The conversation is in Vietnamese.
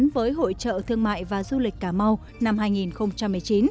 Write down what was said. với hội trợ thương mại và du lịch cà mau năm hai nghìn một mươi chín